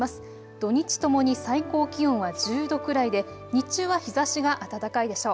土日ともに最高気温は１０度くらいで日中は日ざしが暖かいでしょう。